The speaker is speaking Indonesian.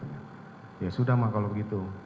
ya sudah mah kalau begitu